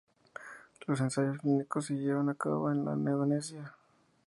Los ensayos clínicos se llevan a cabo en Indonesia.